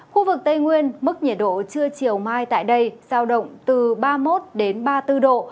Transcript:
khu vực tây nguyên mức nhiệt độ trưa chiều mai tại đây giao động từ ba mươi một đến ba mươi bốn độ